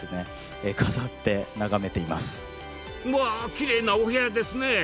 わぁきれいなお部屋ですね。